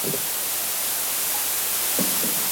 پرتله کول انسان له ځانه لیرې کوي.